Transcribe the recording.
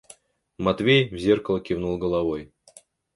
Матвей в зеркало кивнул головой.